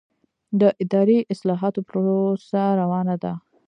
د اداري اصلاحاتو پروسه روانه ده؟